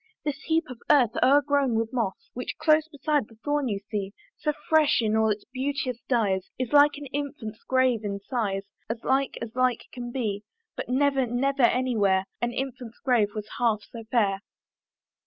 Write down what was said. This heap of earth o'ergrown with moss Which close beside the thorn you see, So fresh in all its beauteous dyes, Is like an infant's grave in size As like as like can be: But never, never any where, An infant's grave was half so fair.